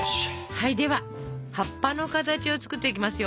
はいでは葉っぱの形を作っていきますよ。